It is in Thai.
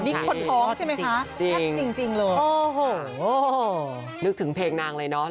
นี่คนท้องใช่ไหมคะแซ่บจริงเลยโอ้โหนึกถึงเพลงนางเลยเนาะ